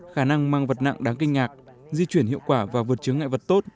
khả năng mang vật nặng đáng kinh ngạc di chuyển hiệu quả và vượt chứng ngại vật tốt